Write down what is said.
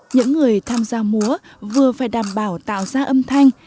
những người tham gia múa vừa phải đảm bảo tạo ra âm thanh